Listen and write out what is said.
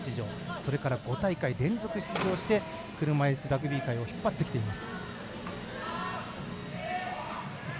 それから５大会連続出場して車いすラグビー界を引っ張っています。